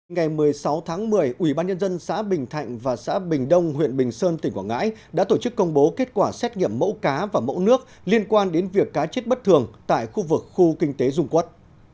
ngày một mươi sáu tháng một mươi ubnd xã bình thạnh và xã bình đông huyện bình sơn tỉnh quảng ngãi đã tổ chức công bố kết quả xét nghiệm mẫu cá và mẫu nước liên quan đến việc cá chết bất thường tại khu vực khu kinh tế dung quốc